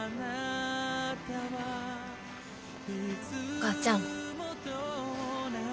お母ちゃん。